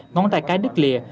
ngón tay cái đứt lìa